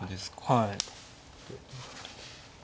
はい。